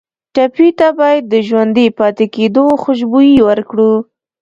ټپي ته باید د ژوندي پاتې کېدو خوشبويي ورکړو.